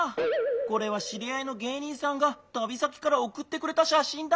これはしりあいの芸人さんがたび先からおくってくれたしゃしんだ。